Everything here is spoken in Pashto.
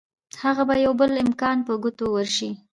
هلته به يو بل امکان په ګوتو ورشي.